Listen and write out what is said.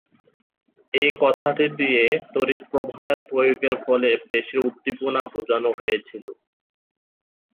এই কথাটি দিয়ে তড়িৎ প্রবাহের প্রয়োগের ফলে পেশীর উদ্দীপনা বোঝানো হয়েছিল।